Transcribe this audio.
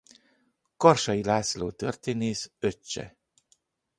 Karsai László történész öccse.